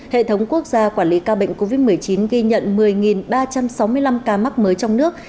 hệ thống quốc gia quản lý ca bệnh covid một mươi chín ghi nhận một mươi ba trăm sáu mươi năm ca mắc mới trong nước